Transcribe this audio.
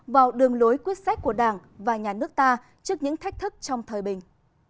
vào đường lối quyết sách của đảng và nhà nước ta trước những thách thức trong thời bình